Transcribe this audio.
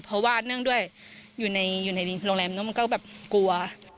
เพราะว่าเนื่องด้วยอยู่ในโรงแรมแล้วมันก็แบบกลัว